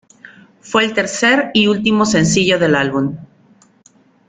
Fue el tercer y último sencillo del álbum.